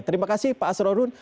terima kasih pak asro run